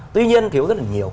tuy nhiên thiếu rất là nhiều